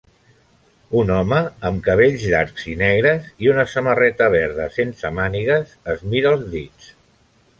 Un home amb cabells llargs i negre i una samarreta verda sense mànigues es mira els dits.